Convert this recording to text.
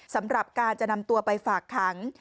สำหรับการจะนำตัวไปฝากขัง